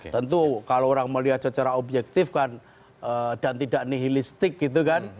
tentu kalau orang melihat secara objektif kan dan tidak nihilistik gitu kan